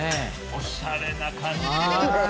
おしゃれな感じよ。